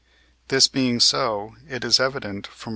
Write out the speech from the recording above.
This being so, it is evident (from II.